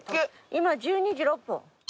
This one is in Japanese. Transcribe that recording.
今１２時６分。